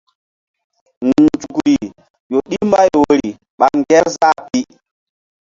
Nzukri ƴo ɗi mbay woyri ɓa Ŋgerzah pi.